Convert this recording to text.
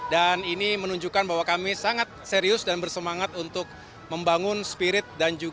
dan ini menunjukkan bahwa kami sangat serius dan bersemangat untuk membangun spirit